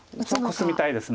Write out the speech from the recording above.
コスみたいです。